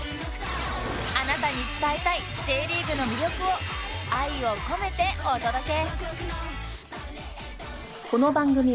あなたに伝えたい Ｊ リーグの魅力を愛を込めてお届け！